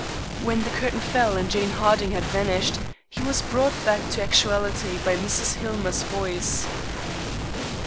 When the curtain fell and Jane Harding had vanished, he was brought back to actuality by Mrs. Hillmer's voice.